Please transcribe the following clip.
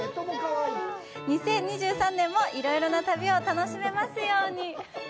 ２０２３年もいろいろな旅を楽しめますように！